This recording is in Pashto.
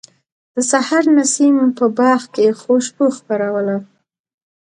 د سحر نسیم په باغ کې خوشبو خپروله.